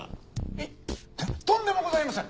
えとんでもございません。